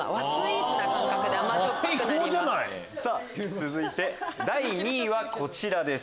続いて第２位はこちらです。